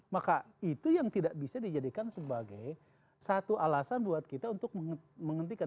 maka itu yang tidak bisa dijadikan sebagai satu alasan buat kita untuk menghentikan